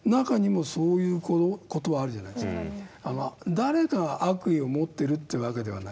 誰かが悪意を持ってるというわけではない。